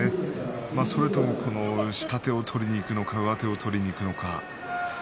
それとも下手を取りにいくのか上手を取りにいくのか。